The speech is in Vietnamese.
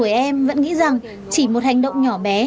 một tuổi em vẫn nghĩ rằng chỉ một hành động nhỏ bé